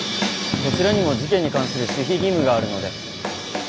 こちらにも事件に関する守秘義務があるので。